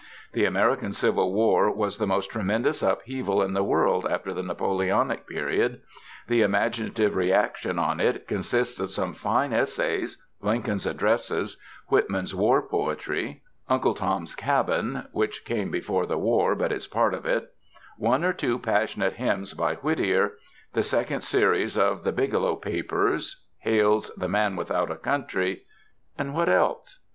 The American Civil War was the most tremendous upheaval in the world after the Napoleonic period. The imaginative reaction on it consists of some fine essays, Lincoln's addresses, Whitman's war poetry, "Uncle Tom's Cabin" (which came before the war but is part of it), one or two passionate hymns by Whittier, the second series of the "Biglow Papers," Hale's "The Man Without a Country" and what else?